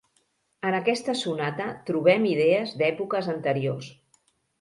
En aquesta sonata trobem idees d'èpoques anteriors.